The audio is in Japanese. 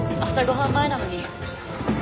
朝ご飯前なのに。